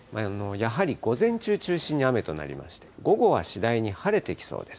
やはり午前中を中心に雨となりまして、午後は次第に晴れてきそうです。